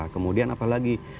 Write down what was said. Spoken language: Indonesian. kemudian apa lagi